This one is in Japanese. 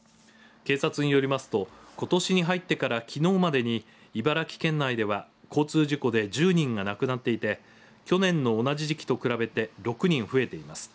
警察によりますとことしに入ってからきのうまでに茨城県内では交通事故で１０人が亡くなっていて去年の同じ時期と比べて６人増えています。